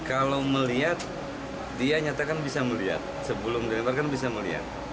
kalau melihat dia nyatakan bisa melihat sebelum dilebar kan bisa melihat